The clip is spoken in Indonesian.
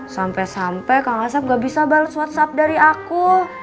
sampai sampai kang asep gak bisa bales whatsapp dari aku